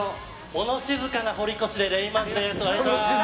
物静かな堀越でレインマンズです。